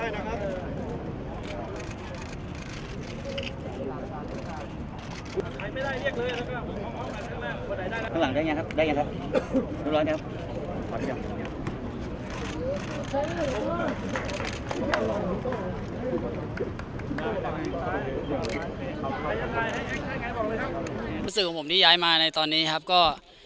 รู้สึกของผมที่ย้ายมาในตอนนี้ครับก็